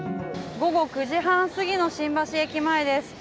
午後９時半過ぎの新橋駅前です。